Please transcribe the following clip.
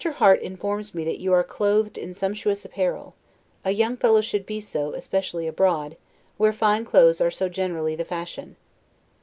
Harte informs me that you are clothed in sumptuous apparel; a young fellow should be so; especially abroad, where fine clothes are so generally the fashion.